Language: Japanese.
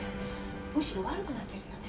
むしろ悪くなってるのよね。